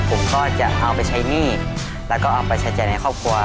ผมก็จะเอาไปใช้หนี้แล้วก็เอาไปใช้จ่ายในครอบครัว